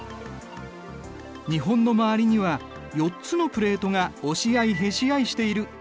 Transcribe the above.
日本の周りには４つのプレートが押し合いへし合いしている。